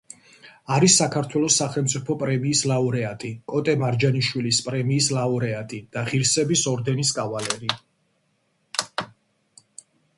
არის საქართველოს სახელმწიფო პრემიის ლაურეატი, კოტე მარჯანიშვილის პრემიის ლაურეატი და ღირსების ორდერის კავალერი.